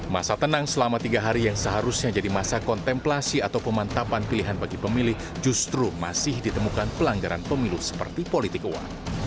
masa tenang selama tiga hari yang seharusnya jadi masa kontemplasi atau pemantapan pilihan bagi pemilih justru masih ditemukan pelanggaran pemilu seperti politik uang